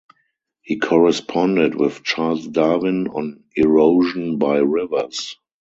He corresponded with Charles Darwin on erosion by rivers.